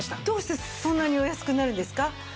どうしてそんなにお安くなるんですか？